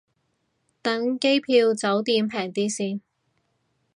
等機票酒店平啲先